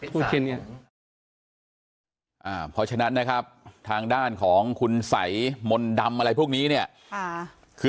เพราะฉะนั้นนะครับทางด้านของคุณใสมนต์ดำอะไรพวกนี้เนี่ยคือ